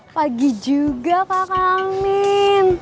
pagi juga kak kang amin